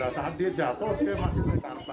pada saat dia jatuh dia masih menangkut